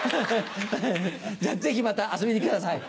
ぜひまた遊びに来てください